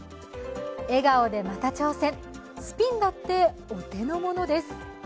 笑顔でまた挑戦、スピンだってお手の物です。